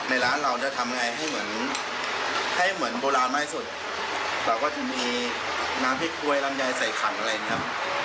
ในร้านเราจะทำยังไงให้เหมือนให้เหมือนโบราณมากที่สุดแล้วก็จะมีน้ำพริกกล้วยลำยายใส่ขันอะไรเนี่ยครับ